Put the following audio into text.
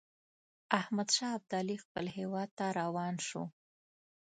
احمدشاه ابدالي خپل هیواد ته روان شو.